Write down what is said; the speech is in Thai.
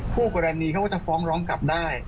คู่กรณีเขาก็จะฟ้องร้องกลับได้